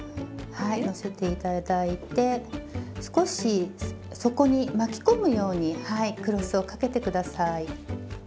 はい載せて頂いて少し底に巻き込むようにクロスを掛けて下さい。